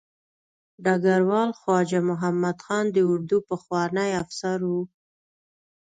ډګروال خواجه محمد خان د اردو پخوانی افسر و.